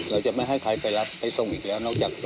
เราจะไม่ให้ใครไปรับไปส่งอีกแล้วนอกจาก